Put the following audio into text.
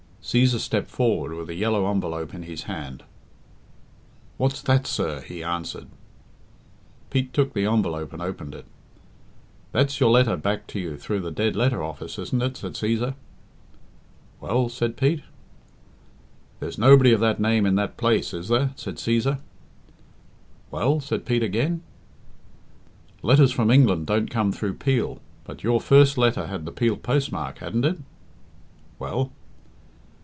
Cæsar stepped forward with a yellow envelope in his hand. "What's that, sir?" he answered. Pete took the envelope and opened it. "That's your letter back to you through the dead letter office, isn't it?" said Cæsar. "Well?" said Pete. "There's nobody of that name in that place, is there!" said Cæsar. "Well?" said Pete again. "Letters from England don't come through Peel, but your first letter had the Peel postmark, hadn't it?" "Well?"